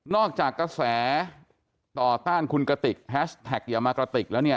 อกจากกระแสต่อต้านคุณกระติกแฮชแท็กอย่ามากระติกแล้วเนี่ย